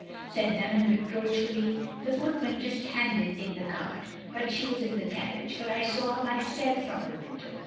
said Dunham, reproachfully. "The footman just handed in the card. But she was in the carriage, for I saw her myself from the window.